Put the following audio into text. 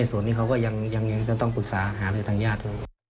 ในส่วนนี้เขาก็ยังจะต้องปรึกษาอาหารให้ทางญาติ